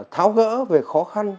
tháo gỡ về khó khăn